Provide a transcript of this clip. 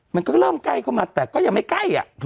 มันก็เริ่มใกล้เข้ามาแต่ก็ยังไม่ใกล้